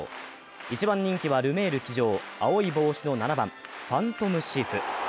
一番人気はルメール騎乗、青い帽子の７番・ファントムシーフ。